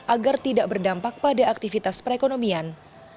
agar tidak berdampak pada aktivitas perekonomian